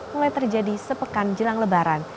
mulai terjadi sepekan jelang lebaran